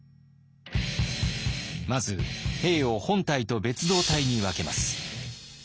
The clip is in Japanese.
まず兵を本隊と別動隊に分けます。